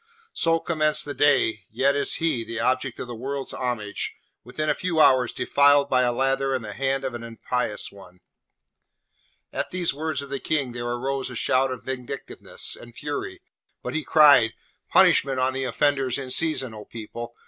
So commenced the day, yet is he, the object of the world's homage, within a few hours defiled by a lather and the hand of an impious one!' At these words of the King there rose a shout of vindictiveness and fury; but he cried, 'Punishment on the offenders in season, O people!